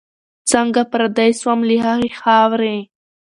څنګه پردی سوم له هغي خاوري